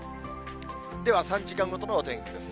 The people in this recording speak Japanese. では、３時間ごとのお天気です。